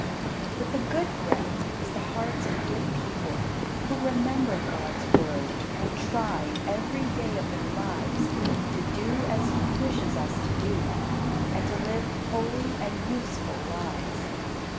But the good ground is the hearts of good people, who remember God's Word and try, every day of their lives, to do as He wishes us to do, and to live holy and useful lives.